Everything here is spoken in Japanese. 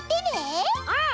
うん！